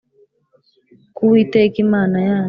Ku uwiteka imana yanyu